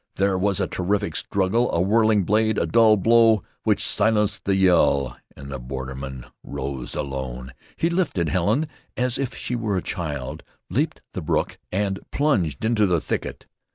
There was a terrific struggle, a whirling blade, a dull blow which silenced the yell, and the borderman rose alone. He lifted Helen as if she were a child, leaped the brook, and plunged into the thicket.